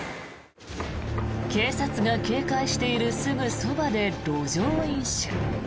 警察が警戒しているすぐそばで路上飲酒。